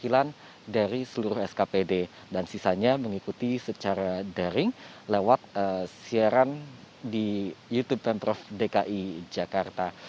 ini adalah perwakilan dari seluruh skpd dan sisanya mengikuti secara daring lewat siaran di youtube tentrof dki jakarta